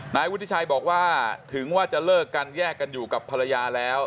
นายวุฒิชัยบอกว่าถึงว่าจะเลิกกันแยกกันอยู่กับภรรยาแล้ว